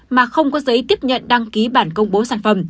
mà không có giấy tiếp nhận đăng ký bản công bố sản phẩm